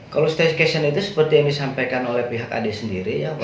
kalau staycation itu seperti yang disampaikan oleh pihak ad sendiri